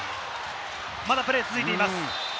まだプレーは続いています。